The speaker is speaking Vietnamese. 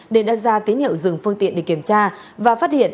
nên đã ra tín hiệu dừng phương tiện để kiểm tra và phát hiện